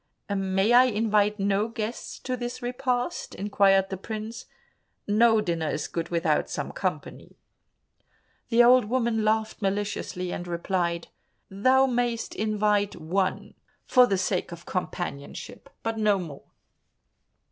"May I invite no guests to this repast?" inquired the prince, "no dinner is good without some company." The old woman laughed maliciously, and replied, "Thou mayst invite one for the sake of companionship, but no more."